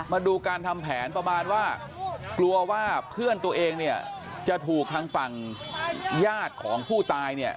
มาดูการทำแผนประมาณว่ากลัวว่าเพื่อนตัวเองเนี่ยจะถูกทางฝั่งญาติของผู้ตายเนี่ย